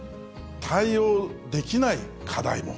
対応できない課題も。